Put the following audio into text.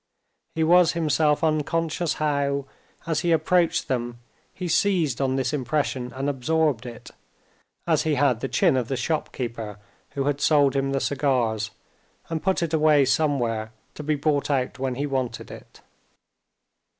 He was himself unconscious how, as he approached them, he seized on this impression and absorbed it, as he had the chin of the shopkeeper who had sold him the cigars, and put it away somewhere to be brought out when he wanted it.